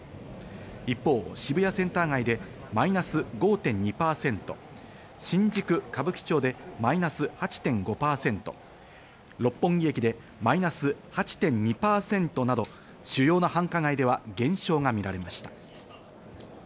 一方、渋谷センター街でマイナス５．２％、新宿・歌舞伎町でマイナス８．５％、六本木駅でマイナス８．２％など主要な繁華街では減少が見られました。